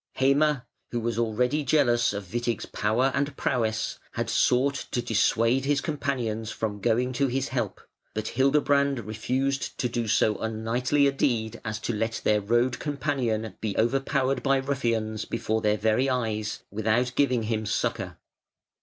Heime, who was already jealous of Witig's power and prowess, had sought to dissuade his companions from going to his help; but Hildebrand refused to do so unknightly a deed as to let their road companion be overpowered by ruffians before their very eyes without giving him succour.